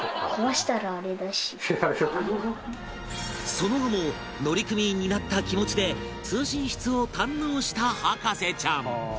その後も乗組員になった気持ちで通信室を堪能した博士ちゃん